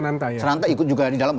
dan sananta ikut juga di dalam